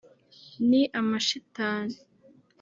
“Ni amashitani